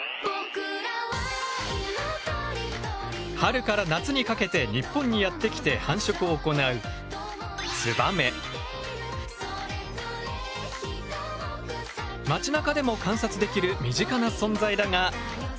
春から夏にかけて日本にやって来て繁殖を行う町なかでも観察できる身近な存在だが。